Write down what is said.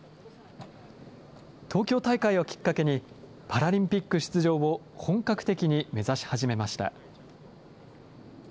東京大会をきっかけに、パラリンピック出場を本格的に目指し始めました。